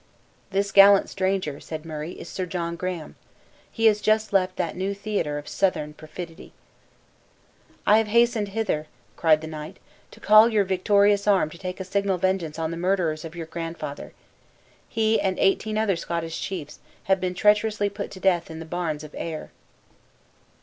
"This gallant stranger," said Murray, "is Sir John Graham. He has just left that new theater of Southron perfidy." "I have hastened hither," cried the knight, "to call your victorious arm to take a signal vengeance on the murderers of your grandfather. He, and eighteen other Scottish chiefs, have been treacherously put to death in the Barns of Ayr."